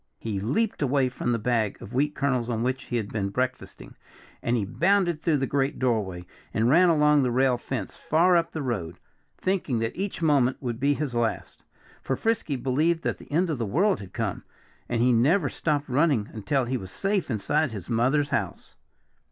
He leaped away from the bag of wheat kernels on which he had been breakfasting and he bounded through the great doorway and ran along the rail fence, far up the road, thinking that each moment would be his last. For Frisky believed that the end of the world had come. And he never stopped running until he was safe inside his mother's house.